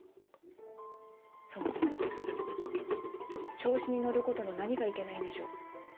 そもそも調子に乗ることの何がいけないんでしょう？